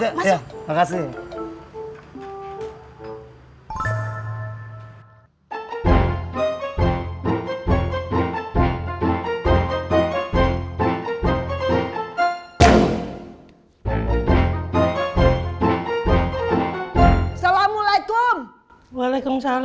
jadi emak masukin ke dalam botol